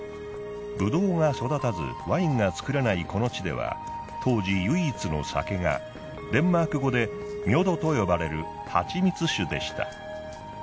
ブドウが育たずワインが作れないこの地では当時唯一の酒がデンマーク語でミョドと呼ばれる蜂蜜酒でした。